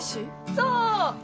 そう！